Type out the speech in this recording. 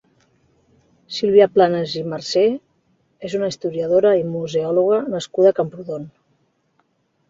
Sílvia Planas i Marcé és una historiadora i museòloga nascuda a Camprodon.